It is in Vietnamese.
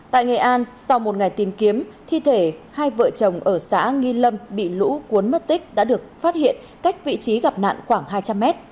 tại nghệ an sau một ngày tìm kiếm thi thể hai vợ chồng ở xã nghi lâm bị lũ cuốn mất tích đã được phát hiện cách vị trí gặp nạn khoảng hai trăm linh m